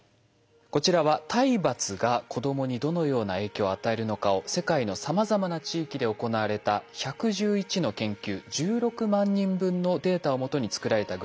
こちらは体罰が子どもにどのような影響を与えるのかを世界のさまざまな地域で行われた１１１の研究１６万人分のデータをもとに作られたグラフです。